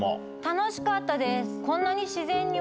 楽しかったです。